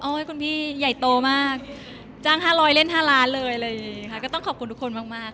โอ๊ยคุณพี่ใหญ่โตมากจ้าง๕๐๐เล่น๕๐๐๐๐๐เลยเลยค่ะก็ต้องขอบคุณทุกคนมาก